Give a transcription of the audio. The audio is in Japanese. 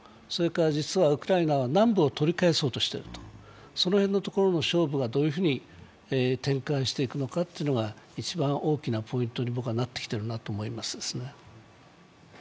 実はウクライナは南部を取り返そうとしていると、その辺のところの勝負がどういうふうに展開していくのかというのが一番大きなポイントになってきてるなと僕は思いますね。